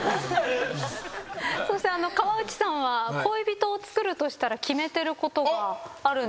そして河内さんは恋人をつくるとしたら決めてることがあるんですよね？